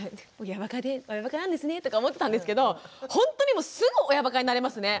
「親ばかなんですね」とか思ってたんですけどほんとにすぐ親ばかになれますね。